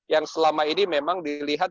yang selama ini memang dilihat